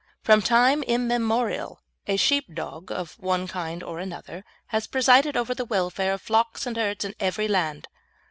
From time immemorial a sheepdog, of one kind or another, has presided over the welfare of flocks and herds in every land.